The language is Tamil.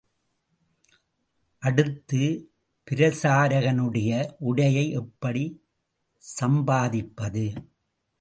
அடுத்து, பிரசாரகனுடைய உடையை எப்படி சம்பாதிப்பது?